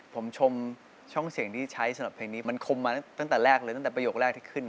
ผมชมช่องเสียงที่ใช้สำหรับเพลงนี้มันคมมาตั้งแต่แรกเลยตั้งแต่ประโยคแรกที่ขึ้น